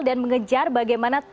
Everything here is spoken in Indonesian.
dan mengejar bagaimana tunjangan